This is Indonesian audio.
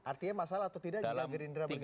artinya masalah atau tidak jika gerindra bergabung